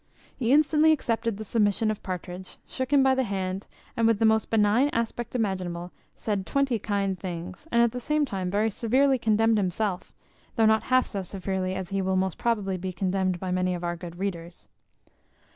He instantly accepted the submission of Partridge, shook him by the hand, and with the most benign aspect imaginable, said twenty kind things, and at the same time very severely condemned himself, though not half so severely as he will most probably be condemned by many of our good readers.